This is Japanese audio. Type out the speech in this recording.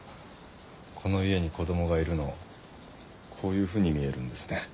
この家に子どもがいるのこういうふうに見えるんですね。